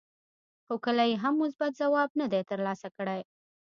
خو کله یې هم مثبت ځواب نه دی ترلاسه کړی.